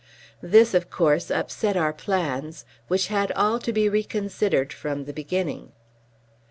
This, of course, upset our plans, which had all to be reconsidered from the beginning.